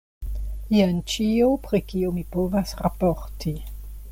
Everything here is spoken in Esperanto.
Jen ĉio, pri kio mi povas raporti.